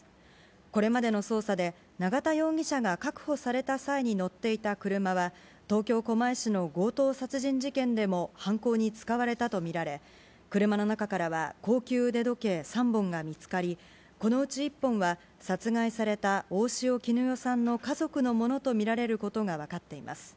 これまでの捜査で、永田容疑者が確保された際に乗っていた車は、東京・狛江市の強盗殺人事件でも犯行に使われたと見られ、車の中からは、高級腕時計３本が見つかり、このうち１本は、殺害された大塩衣与さんの家族のものと見られることが分かっています。